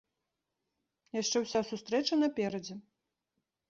Яшчэ ўся сустрэча наперадзе.